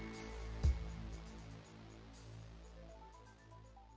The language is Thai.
สวัสดีครับ